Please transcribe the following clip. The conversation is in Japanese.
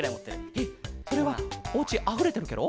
えっそれはおうちあふれてるケロ？